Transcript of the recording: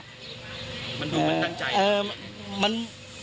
มันดูเหมือนตั้งใจ